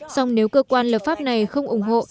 song nếu cơ quan lập pháp này không ủng hộ